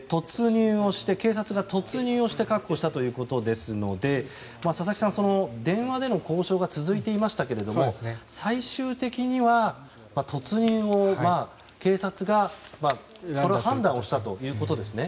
警察が突入して確保したということですので佐々木さん、電話での交渉が続いていましたけれども最終的には突入を警察が判断をしたということですね。